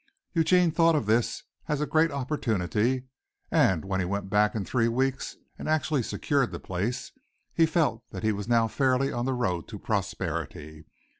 Eugene thought of this as a great opportunity, and when he went back in three weeks and actually secured the place, he felt that he was now fairly on the road to prosperity.